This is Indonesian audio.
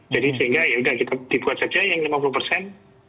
jadi sehingga yaudah kita dibuat saja yang lima puluh persen